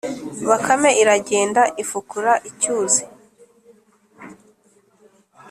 Bakame iragenda ifukura icyuzi,